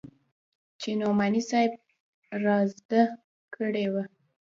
چې نعماني صاحب رازده کړې وه.